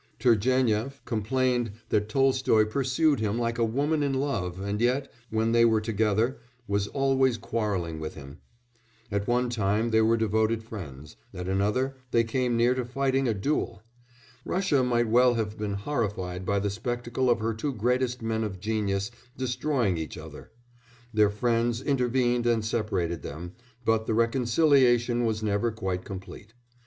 Turgénief complained that Tolstoy pursued him like a woman in love and yet, when they were together, was always quarrelling with him. At one time they were devoted friends, at another they came near to fighting a duel. Russia might well have been horrified by the spectacle of her two greatest men of genius destroying each other; their friends intervened and separated them, but the reconciliation was never quite complete.